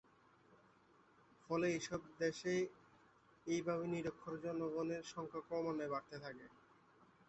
ফলে এইসব দেশে এইভাবে নিরক্ষর জনগণের সংখ্যা ক্রমাগত বাড়তে থাকে।